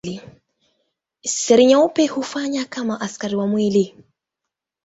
Seli nyeupe hufanya kama askari wa mwili.